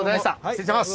失礼します！